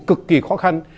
cực kỳ khó khăn